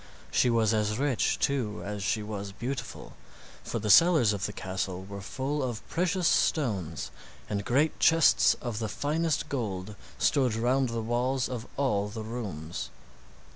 She was as rich, too, as she was beautiful, for the cellars of the castle were full of precious stones, and great chests of the finest gold stood round the walls of all the rooms.